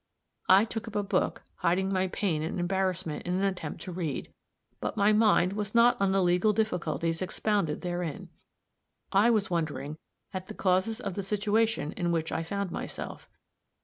I took up a book, hiding my pain and embarrassment in an attempt to read; but my mind was not on the legal difficulties expounded therein; I was wondering at the causes of the situation in which I found myself.